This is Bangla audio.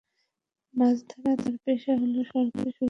মাছ ধরা তাঁর পেশা হলেও সরকারের সুবিধাভোগীর তালিকায় তাঁর নাম নেই।